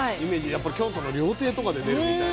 やっぱり京都の料亭とかで出るみたいな。